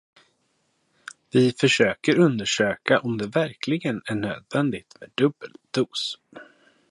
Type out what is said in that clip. Vi försöker undersöka om det verkligen är nödvädigt med dubbel dos.